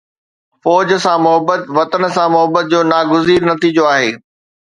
فوج سان محبت وطن سان محبت جو ناگزير نتيجو آهي.